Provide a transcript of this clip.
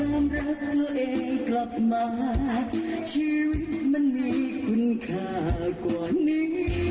รักตัวเองกลับมาชีวิตมันมีคุณค่ากว่านี้